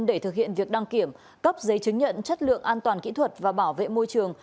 để thực hiện việc đăng kiểm cấp giấy chứng nhận chất lượng an toàn kỹ thuật và bảo vệ môi trường